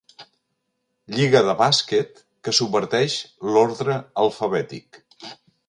Lliga de bàsquet que subverteix l'ordre alfabètic.